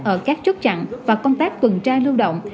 ở các chốt chặn và công tác tuần tra lưu động